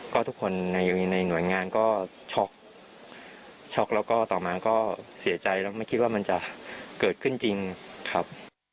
ก็ทุกคนในหน่วยงานก็ช็อกช็อกแล้วก็ต่อมาก็เสียใจแล้วไม่คิดว่ามันจะเกิดขึ้นจริงครับ